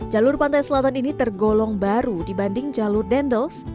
jalur pantai selatan ini tergolong baru dibanding jalur dendels